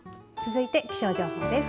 続いて気象情報です。